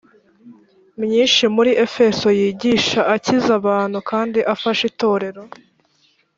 myinshi muri efeso yigisha akiza abantu kandi afasha itorero